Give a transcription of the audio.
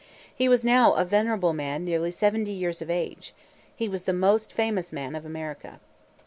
He was now a venerable man nearly seventy years of age. He was the most famous man of America.